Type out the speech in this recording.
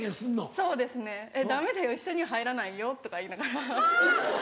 そうですね「ダメだよ一緒には入らないよ」とか言いながら。